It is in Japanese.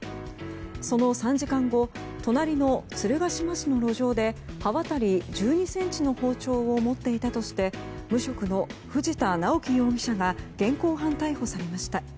その３時間後隣の鶴ヶ島市の路上で刃渡り１２ｃｍの包丁を持っていたとして無職の藤田直樹容疑者が現行犯逮捕されました。